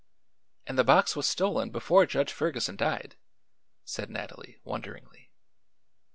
"And the box was stolen before Judge Ferguson died," said Nathalie, wonderingly.